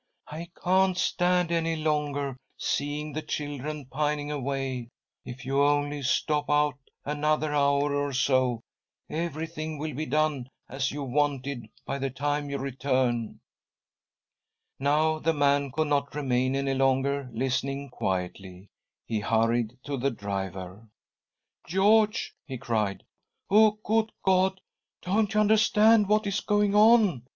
I can't stand any longer seeing the children pining away. If you only stop out another hour or so, everything will be done as you wanted by the time you return." Now the man could not remain any longer listening quietly ; he hurried to the driver. " George !" he" cried. " Oh, good God ! don't you understand what is going on ?